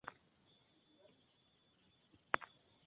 Nyamara Uhoraho yatanze amabwiriza yihariye ko bitagomba kuribwa.